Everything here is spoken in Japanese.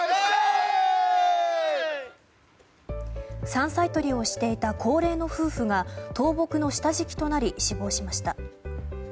山菜とりをしていた高齢の夫婦が倒木の下敷きとなり死亡しました。